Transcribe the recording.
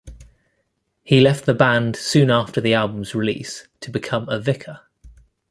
He left the band soon after the album's release to become a vicar.